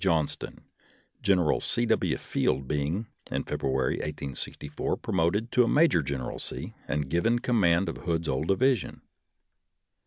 Johnston, General 0. W. Field being, in February, 1864, promoted to a major generalcy and given command of Hood's old division.